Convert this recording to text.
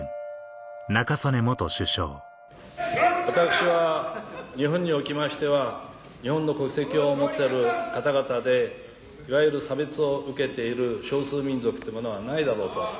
私は日本におきましては日本の国籍を持ってる方々でいわゆる差別を受けている少数民族ってものはないだろうと。